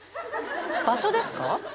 場所ですか？